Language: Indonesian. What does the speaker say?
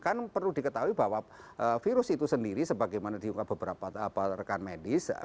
kan perlu diketahui bahwa virus itu sendiri sebagaimana diungkap beberapa rekan medis